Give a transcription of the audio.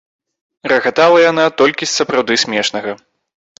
Рагатала яна толькі з сапраўды смешнага.